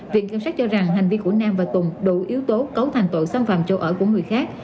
viện kiểm sát cho rằng hành vi của nam và tùng đủ yếu tố cấu thành tội xâm phạm châu ở của người khác